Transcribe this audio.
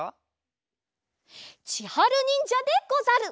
ちはるにんじゃでござる。